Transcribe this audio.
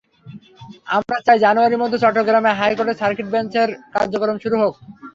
আমরা চাই জানুয়ারির মধ্যে চট্টগ্রামে হাইকোর্টের সার্কিট বেঞ্চের কার্যক্রম শুরু হোক।